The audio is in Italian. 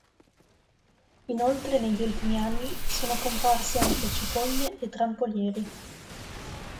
Inoltre, negli ultimi anni, sono comparsi anche Cicogne e Trampolieri.